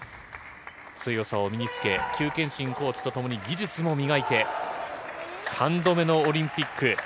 強さを身につけ、邱建新コーチと技術も磨いて、３度目のオリンピック。